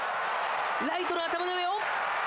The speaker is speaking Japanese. ライトの頭の上を。